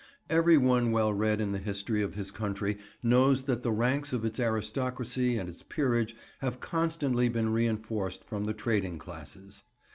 Every one well read in the history of his country knows that the ranks of its aristocracy and its peerage have constantly been reinforced from the trading classes.